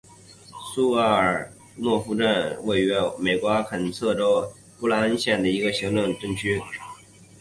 苏格尔洛夫镇区是位于美国阿肯色州布恩县的一个行政镇区。